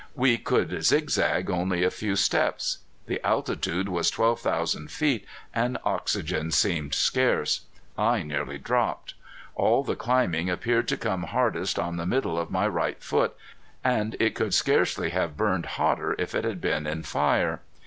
We could zigzag only a few steps. The altitude was twelve thousand feet, and oxygen seemed scarce. I nearly dropped. All the climbing appeared to come hardest on the middle of my right foot, and it could scarcely have burned hotter if it had been in fire.